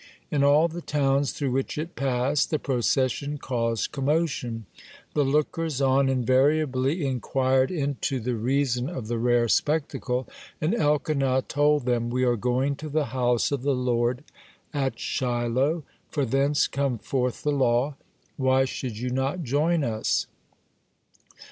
In all the towns through which it passed, the procession caused commotion. The lookers on invariably inquired into the reason of the rare spectacle, and Elkanah told them: "We are going to the house of the Lord at Shiloh, for thence come forth the law. Why should you not join us?"